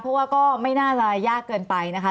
เพราะว่าก็ไม่น่าจะยากเกินไปนะคะ